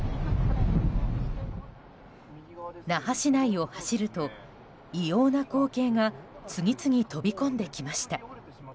那覇市内を走ると異様な光景が次々飛び込んできました。